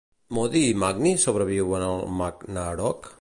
Modi i Magni sobreviuen al Ragnarök?